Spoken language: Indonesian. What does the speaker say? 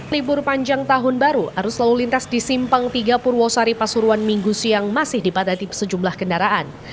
libur panjang tahun baru arus lalu lintas di simpang tiga purwosari pasuruan minggu siang masih dipadati sejumlah kendaraan